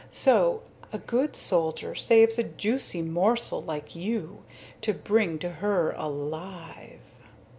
So a good soldier saves a juicy morsel like you to bring to her alive."